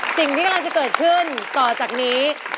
สิ่งที่กำลังจะเกิดขึ้นต่อจากนี้